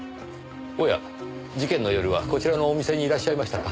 おや事件の夜はこちらのお店にいらっしゃいましたか。